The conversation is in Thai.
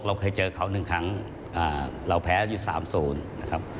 เราเคยเจอเขา๑ครั้งเราแพ้อยู่๓๐นะครับ